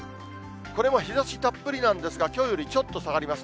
これも日ざしたっぷりなんですが、きょうよりちょっと下がります。